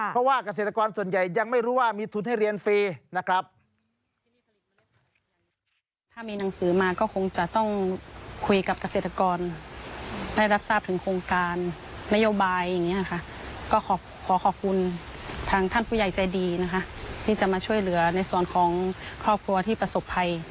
เพราะว่าเกษตรกรส่วนใหญ่ยังไม่รู้ว่ามีทุนให้เรียนฟรีนะครับ